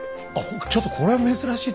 ちょっとこれは珍しい。